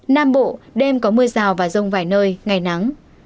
nam bộ đêm có mưa rào và rông vài nơi ngày nắng